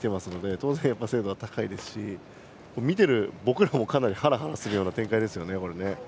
当然、精度は高いですし見てる僕らもハラハラするような展開ですね。